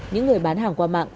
những người bán hàng qua mạng